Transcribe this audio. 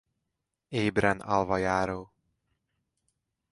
Ébren alva járó.